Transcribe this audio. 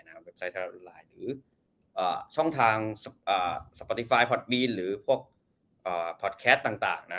นะครับเว็บไซต์อ่าช่องทางอ่าหรือพวกอ่าต่างต่างนะ